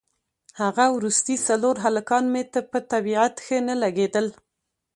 هغه وروستي څلور هلکان مې په طبیعت ښه نه لګېدل.